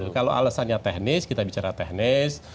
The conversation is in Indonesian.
kalau alasannya teknis kita bicara teknis